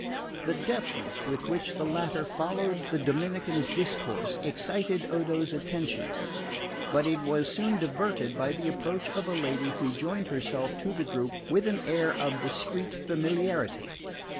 The deference with which the latter followed the Dominican's discourse excited Odo's attention; but it was soon diverted by the approach of a lady who joined herself to the group with an air of discreet familiarity.